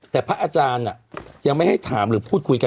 แต่พระอาจารย์ยังไม่ให้ถามหรือพูดคุยกัน